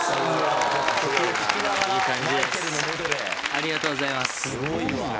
ありがとうございます。